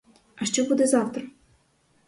А що буде завтра?